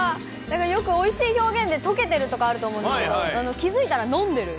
よくおいしい表現で、溶けてるとかあると思うんですけど、気付いたら飲んでる。